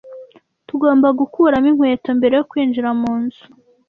Tugomba gukuramo inkweto mbere yo kwinjira mu nzu.